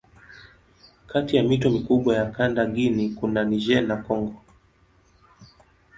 Kati ya mito mikubwa ya kanda Guinea kuna Niger na Kongo.